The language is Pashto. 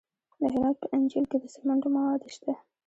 د هرات په انجیل کې د سمنټو مواد شته.